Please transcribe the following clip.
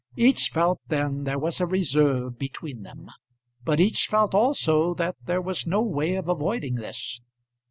Each felt then there was a reserve between them; but each felt also that there was no way of avoiding this.